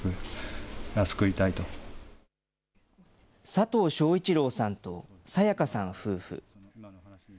佐藤昭一郎さんと清香さん夫婦。